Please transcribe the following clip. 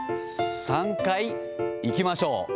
３回いきましょう。